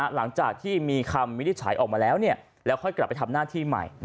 หลังจากที่มีคำวินิจฉัยออกมาแล้วแล้วค่อยกลับไปทำหน้าที่ใหม่